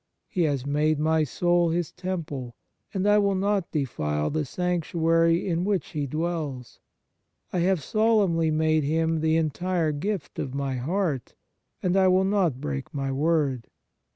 He has made my soul His temple, and I will not defile the sanctuary in which He dwells. I have solemnly made Him the entire gift of my heart, and I will not break my word.